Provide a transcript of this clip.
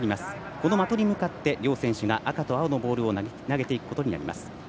この的に向かって両選手が赤と青のボールを投げていくことになります。